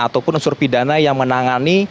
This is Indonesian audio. ataupun unsur pidana yang menangani